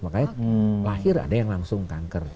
makanya lahir ada yang langsung kanker